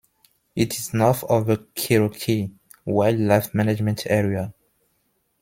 It is north of the Cherokee Wildlife Management Area.